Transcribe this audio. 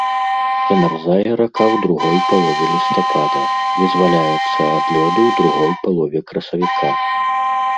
Замярзае рака ў другой палове лістапада, вызваляецца ад лёду ў другой палове красавіка.